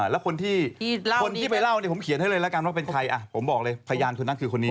แล้วคนที่ไปเล่าเนี่ยผมเขียนให้เลยแล้วกันว่าเป็นใครผมบอกเลยพยานคนนั้นคือคนนี้